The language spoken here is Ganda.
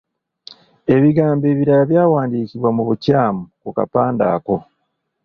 Ebigambo ebirala byawandiikibwa mu bukyamu ku kapande ako.